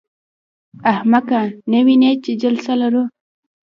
احمقه! نه وینې چې جلسه لرو.